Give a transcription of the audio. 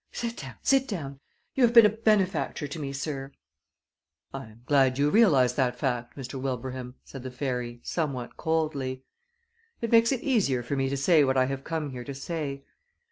"Sit down, sit down! You have been a benefactor to me, sir." "I am glad you realize that fact, Mr. Wilbraham," said the fairy, somewhat coldly. "It makes it easier for me to say what I have come here to say.